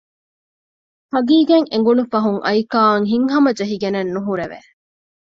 ހަޤީޤަތް އެނގުނު ފަހުން އައިކާއަށް ހިތްހަމަޖެހިގެނެއް ނުހުރެވެ